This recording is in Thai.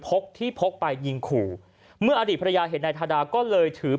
กที่พกไปยิงขู่เมื่ออดีตภรรยาเห็นนายทาดาก็เลยถือ